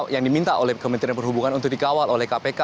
yang diminta oleh kementerian perhubungan untuk dikawal oleh kpk